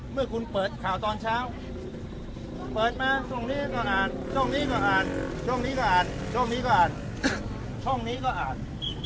เมื่อคุณเปิดข่าวตอนเช้าเปิดมาช่วงนี้ก็อ่านช่วงนี้ก็อ่านช่วงนี้ก็อ่านช่วงนี้ก็อ่าน